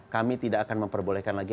kami tidak akan memperbolehkan lagi